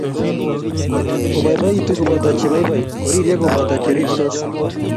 Oboiboitu koboto che boiboi , oririe koboto che ristos.